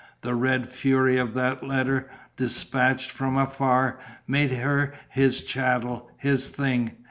The red fury of that letter, dispatched from afar, made her his chattel, his thing.